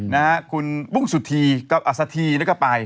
นะฮะคุณปุ้งสุธีก็อสทีแล้วก็ไป